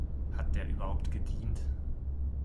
Hat der überhaupt gedient?